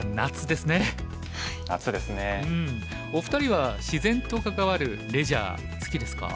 お二人は自然と関わるレジャー好きですか？